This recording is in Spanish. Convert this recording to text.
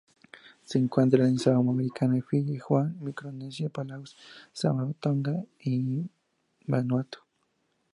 Se encuentra en Samoa Americana, Fiyi, Guam, Micronesia, Palaos, Samoa, Tonga y Vanuatu.